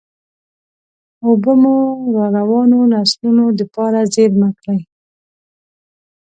اوبه مو راروانو نسلونو دپاره زېرمه کړئ.